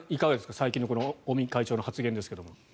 最近の尾身会長の言葉ですが。